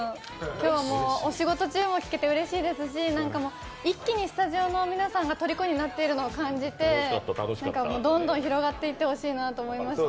今日もお仕事中も聴けてうれしいですし、一気にスタジオの皆さんがとりこになっているのを感じてどんどん広がってほしいなと思いました。